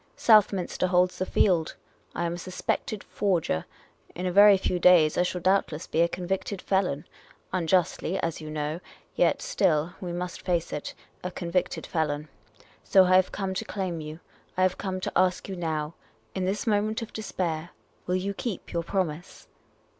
Southminster holds the field. I am a suspected forger ; in a very few days I shall doubtless be a convicted felon. Unjustly, as you know ; yet still — we must face it — a convicted felon. So I have come to claim you. I have come to ask you now, in this moment of despair, will you keep your promise